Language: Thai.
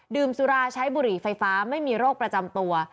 สุราใช้บุหรี่ไฟฟ้าไม่มีโรคประจำตัว